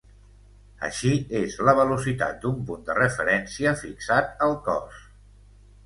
Així, és la velocitat d'un punt de referència fixat al cos.